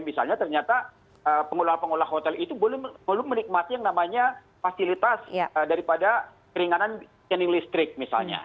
misalnya ternyata pengelola pengolah hotel itu belum menikmati yang namanya fasilitas daripada keringanan scanning listrik misalnya